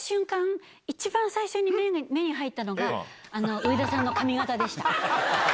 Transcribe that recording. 一番最初に目に入ったのが上田さんの髪形でした。